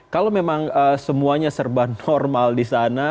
kalau memang semuanya serba normal di sana